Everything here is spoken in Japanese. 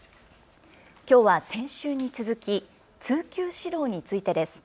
きょうは先週に続き通級指導についてです。